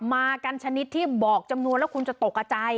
มากันชนิดที่บอกจำนวนแล้วคุณจะตกกระใจ